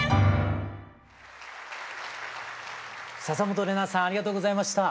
笹本玲奈さんありがとうございました。